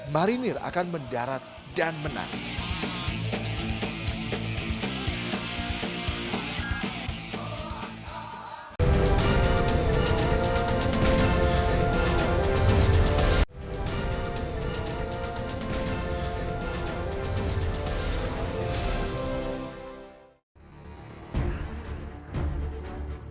marinir akan mendarat dan menang